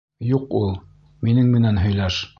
Юҡ ул. Минең менән һөйләш.